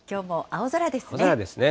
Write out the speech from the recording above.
青空ですね。